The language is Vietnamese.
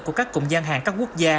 của các cụm gian hàng các quốc gia